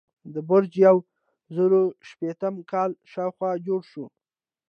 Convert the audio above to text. دا برج د یو زرو شپیتم کال شاوخوا جوړ شو.